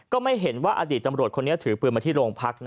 ก็ไม่เห็นว่าอดีตตำรวจคนนี้ถือปืนมาที่โรงพัก